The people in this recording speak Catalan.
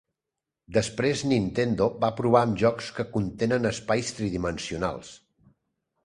Després Nintendo va provar amb jocs que contenen espais tridimensionals.